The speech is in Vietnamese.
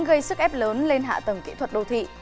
gây sức ép lớn lên hạ tầng kỹ thuật đô thị